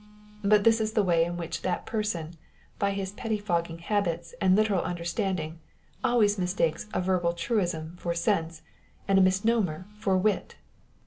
But this is the way in which that person, by his pettifogging habits and literal understanding, always mistakes a verbal truism for sense, and a misnomer for wit